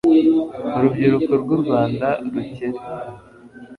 ha urubyiruko rw'u rwanda rukere